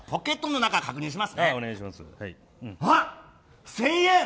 １０００円！